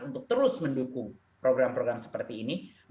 untuk terus mendukung program program seperti ini